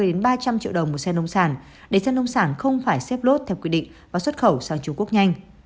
đến ba trăm linh triệu đồng một xe nông sản để xe nông sản không phải xếp lốt theo quy định và xuất khẩu sang trung quốc nhanh